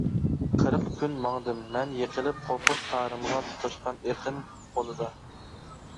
قىرىق كۈن ماڭدىم مەن يىقىلىپ-قوپۇپ، تارىمغا تۇتاشقان ئېقىن غولىدا.